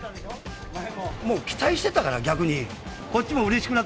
もう期待してたから、逆に。